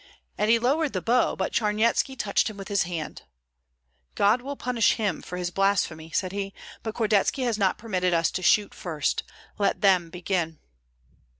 And he lowered the bow; but Charnyetski touched him with his hand, "God will punish him for his blasphemy," said he; "but Kordetski has not permitted us to shoot first, let them begin."